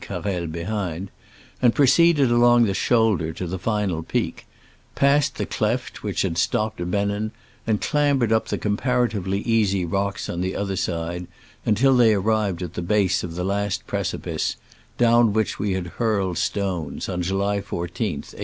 Carrel behind), and proceeded along the " shoulder " to the final peak: passed the cleft which had stopped B^nnen, and clambered up the comparatively easy rocks on the other side until they arrived at the base of the last precipice, down which we had hurled stones on July 14, 1865.